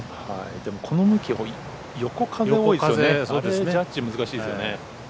でもこの向きも、横風ですからあれジャッジ難しいですよね。